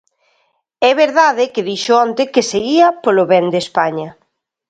É verdade que dixo onte que se ía polo ben de España.